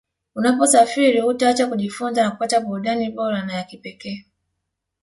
Unaposafiri hutaacha kujifunza na kupata burudani bora na ya kipekee